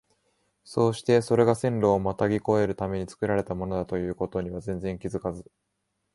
そうしてそれが線路をまたぎ越えるために造られたものだという事には全然気づかず、